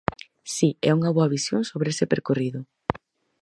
Si, é unha boa visión sobre ese percorrido.